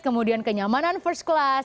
kemudian kenyamanan first class